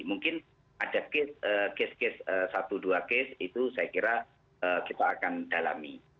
mungkin ada case case satu dua case itu saya kira kita akan dalami